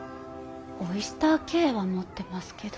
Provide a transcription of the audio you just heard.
オイスターＫは持ってますけど。